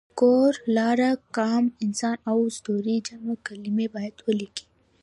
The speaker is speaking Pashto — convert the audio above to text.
کور، لار، قام، انسان او ستوری جمع کلمې باید ولیکي.